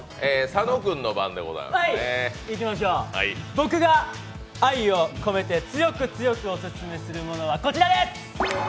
僕が愛を込めて強く強くオススメするものはこちらです。